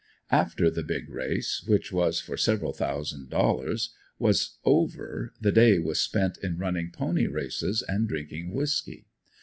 After the "big" race which was for several thousand dollars was over the day was spent in running pony races and drinking whisky.